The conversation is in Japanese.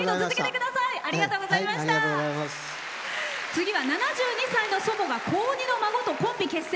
次は７２歳の祖母が高２の孫とコンビ結成。